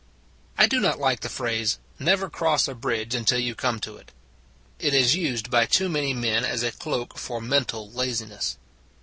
I do not like the phrase " never cross a bridge until you come to it "; it is used by too many men as a cloak for mental lazi ness.